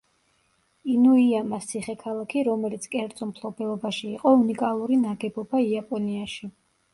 ინუიამას ციხე-ქალაქი, რომელიც კერძო მფლობელობაში იყო უნიკალური ნაგებობა იაპონიაში.